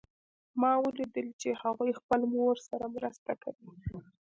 ما ولیدل چې هغوی خپل مور سره مرسته کوي